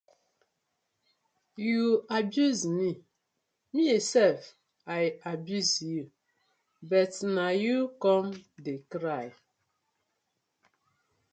Yu abuse mi mi sef I abuse yu but na yu com de cry.